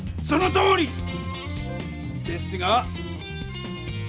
そのとおり！ですが。